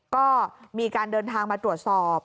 ก็มีการเดินทางมาตรวจสอบ